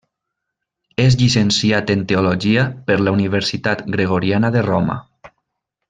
És llicenciat en Teologia per la Universitat Gregoriana de Roma.